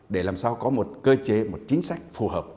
để làm sao có một cơ chế một chính sách phù hợp